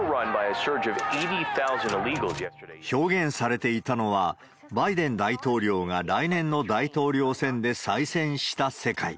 表現されていたのは、バイデン大統領が来年の大統領選で再選した世界。